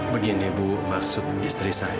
begini bu maksud istri saya